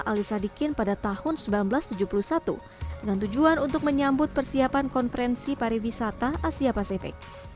ali sadikin pada tahun seribu sembilan ratus tujuh puluh satu dengan tujuan untuk menyambut persiapan konferensi pariwisata asia pasifik